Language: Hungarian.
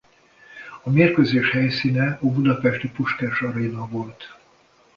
A mérkőzés helyszíne a budapesti Puskás Aréna volt.